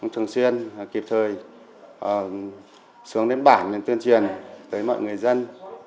thường xuyên kịp thời xuống đến bản để tuyên truyền tới mọi người dân